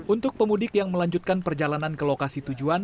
untuk pemudik yang melanjutkan perjalanan ke lokasi tujuan